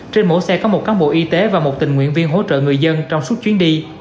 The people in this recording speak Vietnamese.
trên mỗi xe có một cán bộ y tế và một tình nguyện viên hỗ trợ người dân trong suốt chuyến đi